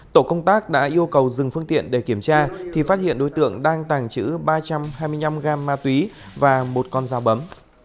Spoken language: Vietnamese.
tổ công tác đã yêu cầu dừng phương tiện để kiểm tra thì phát hiện đối tượng đang tàng trữ ba trăm hai mươi năm gram ma túy và một con dao bấm